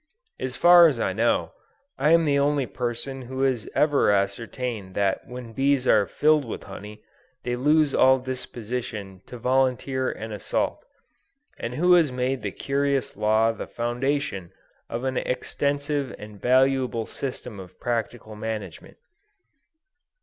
As far as I know, I am the only person who has ever ascertained that when bees are filled with honey, they lose all disposition to volunteer an assault, and who has made this curious law the foundation of an extensive and valuable system of practical management.